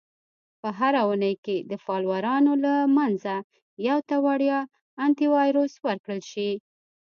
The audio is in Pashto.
- په هره اونۍ کې د فالوورانو له منځه یو ته وړیا Antivirus ورکړل شي.